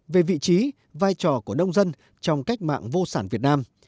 về vị trí vai trò của nông dân trong cách mạng vô sản việt nam